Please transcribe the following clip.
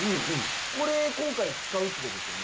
これ今回使うってことですよね？